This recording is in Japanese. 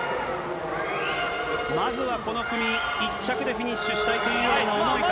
まずはこの組、１着でフィニッシュしたいという思いが。